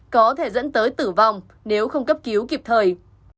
có thể dẫn tới tử vong nếu không cấp cứu kịp thời